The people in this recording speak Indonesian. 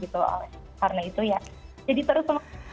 karena itu ya jadi terus